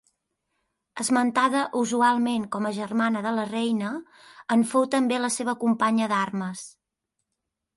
Esmentada usualment com a germana de la reina, en fou també la seva companya d'armes.